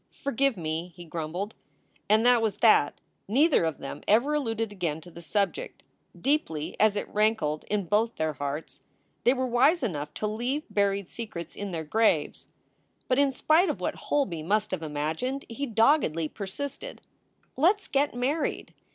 "Forgive me!" he grumbled. And that was that. Neither of them ever alluded again to the subject. Deeply as it rankled in both their hearts, they were wise enough to leave buried secrets in their graves. 364 SOULS FOR SALE But in spite of what Holby must have imagined, he doggedly persisted: "Let s get married."